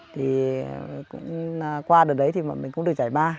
thì cũng qua đợt đấy thì bọn mình cũng được giải ba